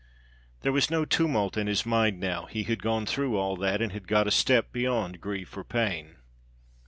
There was no tumult in his mind now; he had gone through all that, and had got a step beyond grief or pain.